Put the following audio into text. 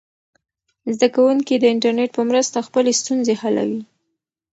زده کوونکي د انټرنیټ په مرسته خپلې ستونزې حلوي.